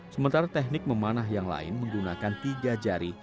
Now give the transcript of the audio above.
sementara teknik memanah yang lain menggunakan tiga jari